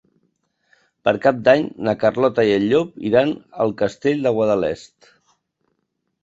Per Cap d'Any na Carlota i en Llop iran al Castell de Guadalest.